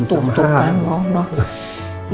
tutup tutup kan noh